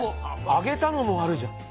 揚げたのもあるじゃん。